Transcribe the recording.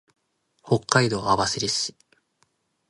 北海道網走市